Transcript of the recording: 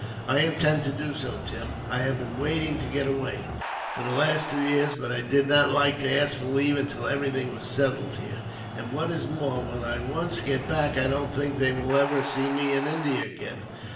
"I intend to do so, Tim. I have been wanting to get away, for the last two years, but I did not like to ask for leave until everything was settled here. And what is more, when I once get back, I don't think they will ever see me in India again.